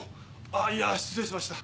あぁいや失礼しました